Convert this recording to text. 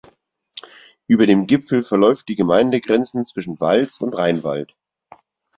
Über dem Gipfel verläuft die Gemeindegrenzen zwischen Vals und Rheinwald.